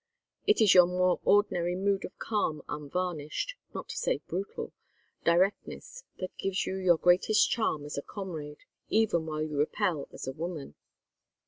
It is your more ordinary mood of calm unvarnished not to say brutal directness that gives you your greatest charm as a comrade even while you repel as a woman."